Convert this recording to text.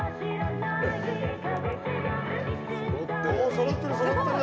そろってる、そろってる。